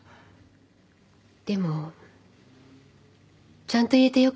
でもちゃんと言えてよかった。